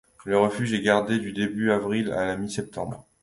Le refuge est gardé du début avril à la mi-septembre.